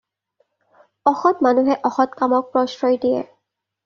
অসৎ মানুহে অসৎ কামক প্ৰশ্ৰয় দিয়ে।